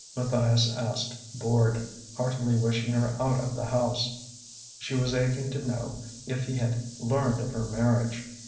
Matthias asked, bored, heartily wishing her out of the house. She was aching to know if he had learned of her marriage.